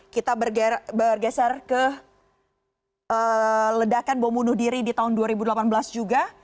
kita bergeser ke ledakan bom bunuh diri di tahun dua ribu delapan belas juga